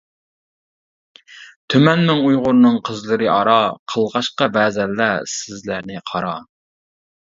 تۈمەنمىڭ ئۇيغۇرنىڭ قىزلىرى ئارا، قىلغاچقا بەزەنلەر سىزلەرنى قارا.